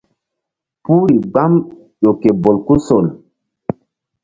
Puhri gbam ƴo ke bolkusol.